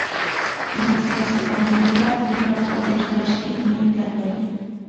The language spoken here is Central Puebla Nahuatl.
¡Nimitstlasojkamatilia, pinotl, otechmachti nin tlajtoli!